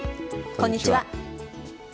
こんにちは。